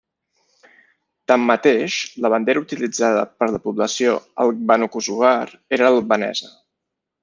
Tanmateix, la bandera utilitzada per la població albanokosovar era l'albanesa.